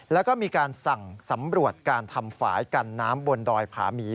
แล้วก็มีการสั่งสำรวจการทำฝ่ายกันน้ำบนดอยผาหมี